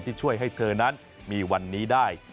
ที่ช่วยให้เธอนั้นมีวันนี้ได้